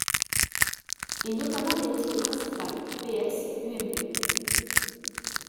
Et notamment les listes principales : PS, UMP.